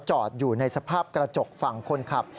จอดอยู่ในสภาพกระจกฝั่งคนขับ